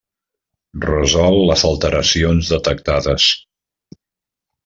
Resol les alteracions detectades.